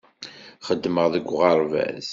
Xeddmeɣ deg uɣerbaz.